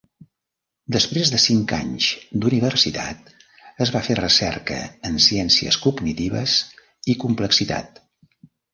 Després de cinc anys d'universitat, es va fer recerca en ciències cognitives i complexitat.